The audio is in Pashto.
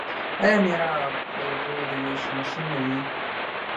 آیا میرآب د اوبو د ویش مسوول نه وي؟